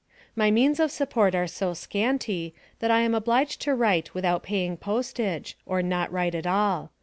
My means of support are so scanty, that I am obliged to write without paying postage, or not write at all.